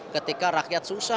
ketika rakyat susah